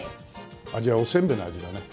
味はおせんべいの味だね。